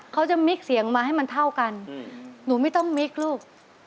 เขาจะมิกเสียงมาให้มันเท่ากันหนูไม่ต้องมิกลูก